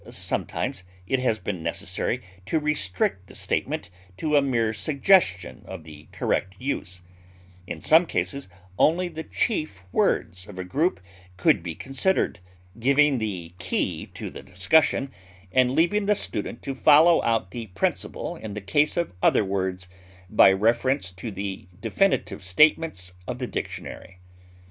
Sometimes it has been necessary to restrict the statement to a mere suggestion of the correct use; in some cases only the chief words of a group could be considered, giving the key to the discussion, and leaving the student to follow out the principle in the case of other words by reference to the definitive statements of the dictionary.